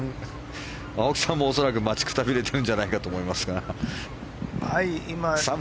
青木さんも、恐らく待ちくたびれてるんじゃないかと思いますが。